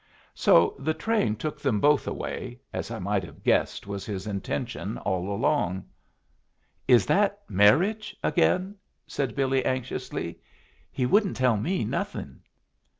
So the train took them both away, as I might have guessed was his intention all along. "Is that marriage again?" said Billy, anxiously. "He wouldn't tell me nothing."